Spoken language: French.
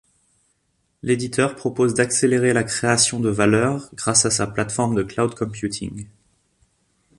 L'éditeur propose d'accélérer la création de valeur grâce à sa plateforme de Cloud computing.